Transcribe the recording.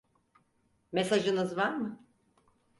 Mesajınız var mı?